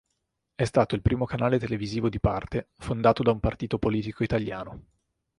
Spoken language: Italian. È stato il primo canale televisivo di parte fondato da un partito politico italiano.